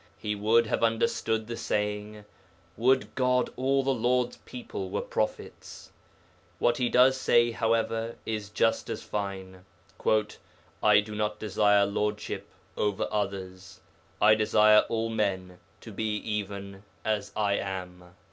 He would have understood the saying, 'Would God all the Lord's people were prophets.' What he does say, however, is just as fine, 'I do not desire lordship over others; I desire all men to be even as I am.'